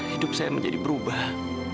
hidup saya menjadi berubah